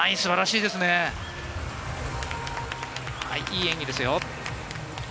いい演技ですよ。